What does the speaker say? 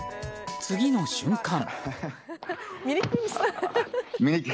次の瞬間。